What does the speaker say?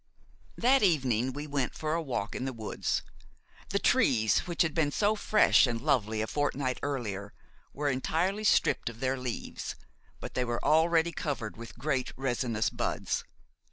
That evening we went for a walk in the woods. The trees, which had been so fresh and lovely a fortnight earlier, were entirely stripped of their leaves, but they were already covered with great resinous buds.